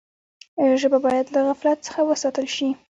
ژبه باید له غفلت څخه وساتل سي.